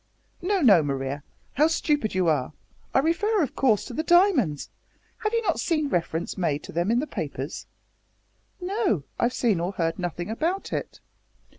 "No, no, Maria, how stupid you are! I refer, of course, to the diamonds. Have you not seen reference made to them in the papers?" "No. I've seen or heard nothing about it."